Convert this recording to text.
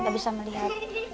nggak bisa melihat